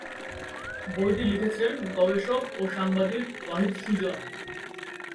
বইটি লিখেছেন গবেষক ও সাংবাদিক ওয়াহিদ সুজন।